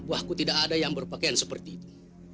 wahku tidak ada yang berpakaian seperti itu